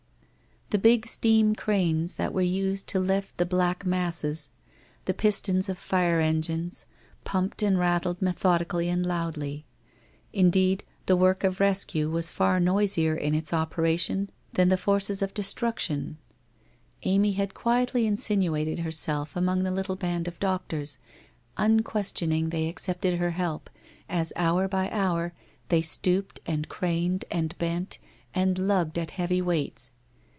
The big steam cranes that were used to lift the black masses, the pistons of fire engines, pumped and rattled methodically and loudly. Indeed the work of rescue was far noisier in it * operation than the forces of destruction. 240 WHITE ROSE OF WEARY LEAF Amy had quietly insinuated herself among the little band of doctors. Unquestioning they accepted her help, as hour by hour, they stooped and craned and bent and lugged at heavy weights.